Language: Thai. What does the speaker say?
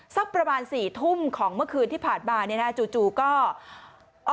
สักประมาณสี่ทุ่มของเมื่อคืนที่ผ่านมาเนี่ยนะจู่จู่ก็อ๋อ